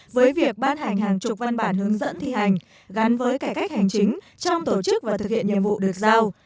với việc ban hành hàng chục văn bản hướng dẫn thi hành gắn với cải cách hành chính trong tổ chức và thực hiện nhiệm vụ được giao